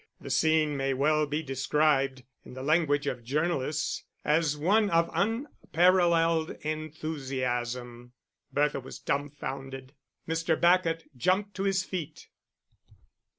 The scene may well be described, in the language of journalists, as one of unparalleled enthusiasm. Bertha was dumbfounded. Mr. Bacot jumped to his feet.